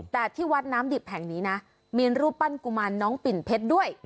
แต่ที่วัดน้ำดิบแห่งนี้นะมีรูปปั้นกุมารน้องปิ่นเพชรด้วย